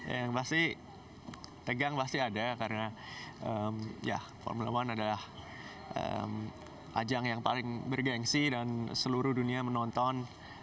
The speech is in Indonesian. yang pasti tegang pasti ada karena ya formula one adalah ajang yang paling bergensi dan seluruh dunia menonton